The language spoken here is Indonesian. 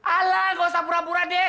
ala gak usah pura pura deh